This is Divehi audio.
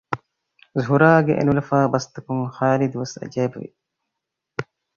ޒުހުރާގެ އެނުލަފާ ބަސްތަކުން ހާލިދުވެސް އަޖައިބު ވި